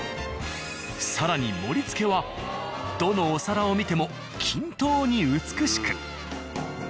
更に盛り付けはどのお皿を見ても均等に美しく。